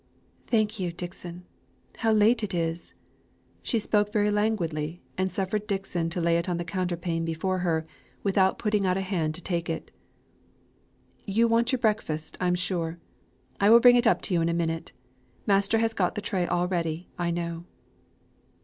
"Thank you, Dixon. How late it is!" She spoke very languidly, and suffered Dixon to lay it on the counterpane before her, without putting out a hand to take it. "You want your breakfast, I'm sure. I will bring it you in a minute. Master has got the tray all ready, I know."